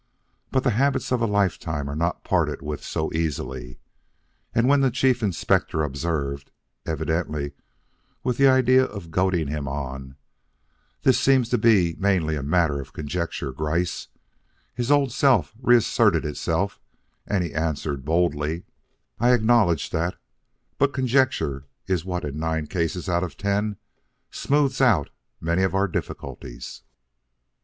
But the habits of a lifetime are not parted with so easily; and when the Chief Inspector observed evidently with the idea of goading him on "This seems to be mainly a matter of conjecture, Gryce," his old self reasserted itself, and he answered boldly: "I acknowledge that; but conjecture is what in nine cases out of ten smoothes out many of our difficulties.